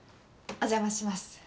お邪魔します。